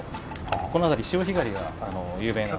この辺り潮干狩りが有名なので。